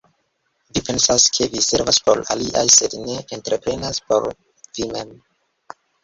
Vi pensas, ke vi servas por aliaj, sed ne entreprenas por vi mem!